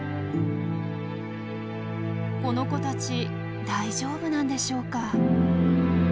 この子たち大丈夫なんでしょうか？